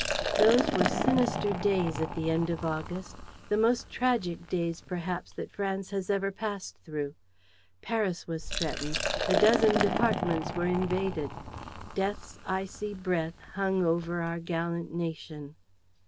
Those were sinister days, at the end of August, the most tragic days perhaps that France has ever passed through. Paris was threatened, a dozen departments were invaded. Death's icy breath hung over our gallant nation.